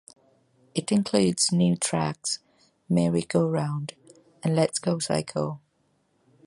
It includes new tracks "Merry Go Round" and "Let's Go Psycho".